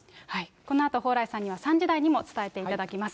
このあと、蓬莱さんには３時台にも伝えていただきます。